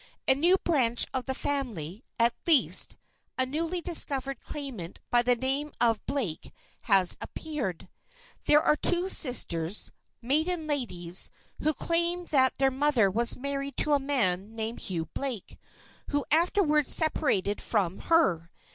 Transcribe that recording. A new branch of the family, at least, a newly discovered claimant by the name of Blake, has appeared. There are two sisters, maiden ladies, who claim that their mother was married to a man named Hugh Blake, who afterward separated from her.